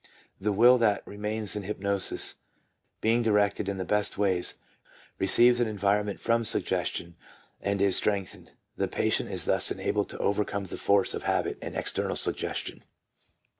1 The will that remains in hypnosis, being directed in the best ways, receives an environment from suggestion and is strengthened; the patient is thus enabled to over come the force of habit and external suggestion.